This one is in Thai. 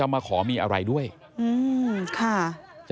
ไอ้แม่ได้เอาแม่ได้เอาแม่